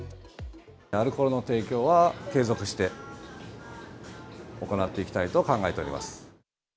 アルコールの提供は継続して行っていきたいと考えております。